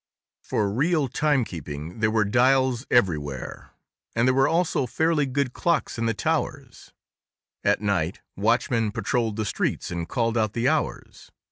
For real timekeeping there were dials everywhere, and there were also fairly good clocks in the towers; at night, watchmen patrolled the streets and called out the hours.